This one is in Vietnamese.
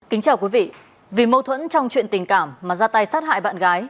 kính chào quý vị vì mâu thuẫn trong chuyện tình cảm mà ra tay sát hại bạn gái